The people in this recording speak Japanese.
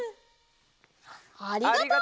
ありがとう。